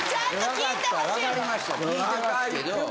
聞いてますけど。